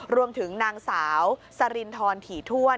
รวมถึงนางสาวสรินทรถี่ถ้วน